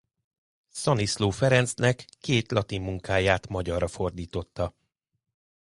Szaniszló Ferencnek két latin munkáját magyarra fordította.